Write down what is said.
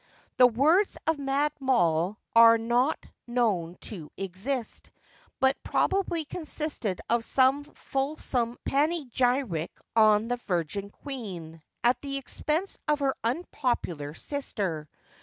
The words of Mad Moll are not known to exist, but probably consisted of some fulsome panegyric on the virgin queen, at the expense of her unpopular sister.